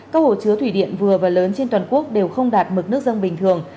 các hồ chứa thủy điện vừa và lớn trên toàn quốc đều không đạt mực nước dân bình thường